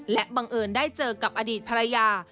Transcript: และบังเอิญได้เจอกับอดีตภรรยา